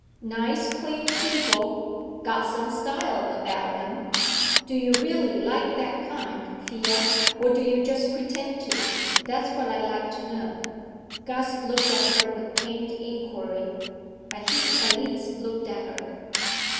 "Nice clean people; got some style about them. Do you really like that kind, Thea, or do you just pretend to? That's what I'd like to know." Gus looked at her with pained inquiry. But he at least looked at her.